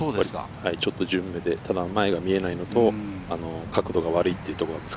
ちょっと順目で、ただ前が見えないのと角度が悪い。